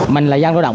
mình là dân lộ động